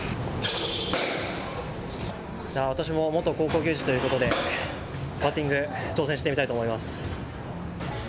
私も元高校球児ということでバッティング、挑戦してみたいと思います。